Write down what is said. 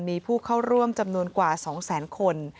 มีผู้เข้าร่วมจำนวนกว่า๒แสนคน